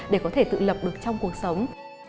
để có thể tự lập được trong cuộc sống